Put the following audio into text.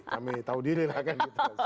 kami tahu diri lah kan gitu